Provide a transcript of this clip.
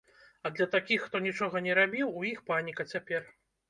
А для такіх, хто нічога не рабіў, у іх паніка цяпер.